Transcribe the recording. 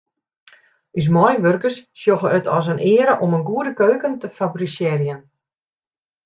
Us meiwurkers sjogge it as in eare om in goede keuken te fabrisearjen.